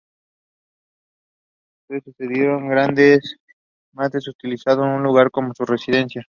Los sucesivos Grandes Maestres utilizaron el lugar como su residencia.